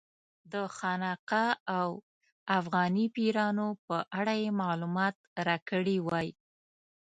د خانقا او افغاني پیرانو په اړه یې معلومات راکړي وای.